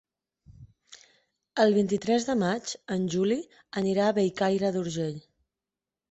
El vint-i-tres de maig en Juli anirà a Bellcaire d'Urgell.